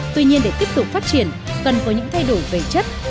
tuy nhiên để tiếp tục phát triển cần có những thay đổi về chất